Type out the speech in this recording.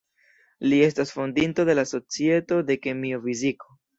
Li estas fondinto de la Societo de kemio-fiziko.